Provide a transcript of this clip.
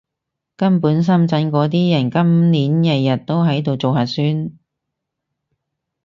根本深圳嗰啲人，今年日日都喺度做核酸